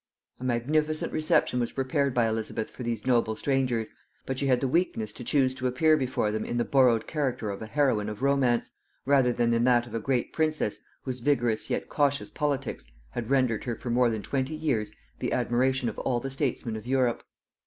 A magnificent reception was prepared by Elizabeth for these noble strangers; but she had the weakness to choose to appear before them in the borrowed character of a heroine of romance, rather than in that of a great princess whose vigorous yet cautious politics had rendered her for more than twenty years the admiration of all the statesmen of Europe.